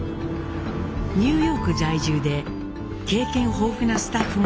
ニューヨーク在住で経験豊富なスタッフもチームに加わりました。